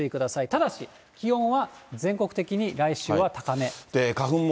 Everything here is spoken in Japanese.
ただし、気温は全国的に来週は高め。